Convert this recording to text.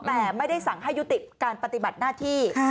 แต่ไม่ได้สั่งให้ยุติการปฏิบัติหน้าที่